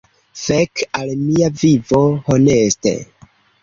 Fek al mia vivo, honeste!